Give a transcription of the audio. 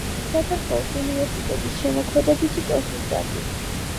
საქართველოს უნივერსიტეტის შემოქმედებითი კონსულტანტი.